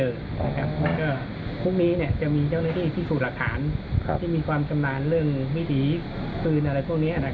เพราะว่าพบนี้จะมีเจ้าหน้าที่สูดหลักฐานที่มีความจำนานเรื่องวิถีพืนอะไรพวกนี้